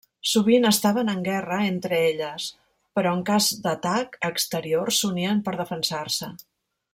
Sovint estaven en guerra entre elles però en cas d'atac exterior s'unien per defensar-se.